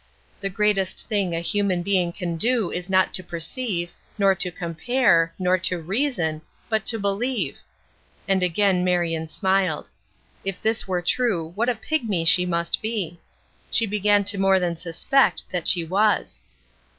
"The greatest thing a human being can do is not to perceive, nor to compare, not to reason, but to believe." And again Marion smiled. If this were true what a pigmy she must be! She began to more than suspect that she was.